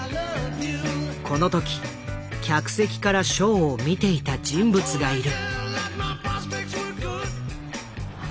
この時客席からショーを見ていた人物がいる。